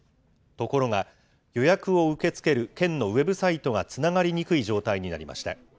ところが、予約を受け付ける県のウェブサイトがつながりにくい状態になりました。